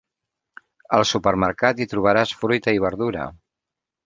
Al supermercat hi trobaràs fruita i verdura.